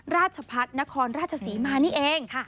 ราชพัฒนครราชศรีมานี่เอง